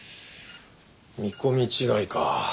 見込み違いか。